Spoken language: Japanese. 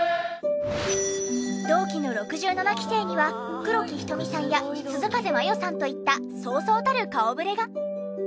同期の６７期生には黒木瞳さんや涼風真世さんといったそうそうたる顔ぶれが。